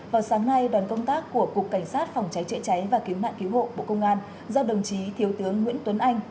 vào sáng nay đoàn công tác của cục cảnh sát phòng trái trợi trái và kiếm mạng cứu hộ bộ công an do đồng chí thiếu tướng nguyễn tuấn anh